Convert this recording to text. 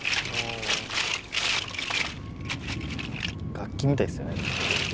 楽器みたいっすよね。